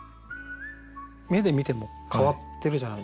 目で見ても変わってるじゃないですか。